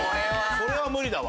それは無理だわ。